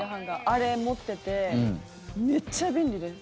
あれ、持っててめっちゃ便利です。